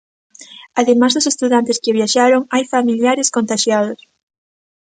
Ademais dos estudantes que viaxaron, hai familiares contaxiados.